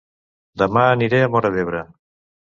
Dema aniré a Móra d'Ebre